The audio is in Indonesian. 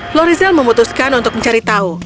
florizel memutuskan untuk mencari tahu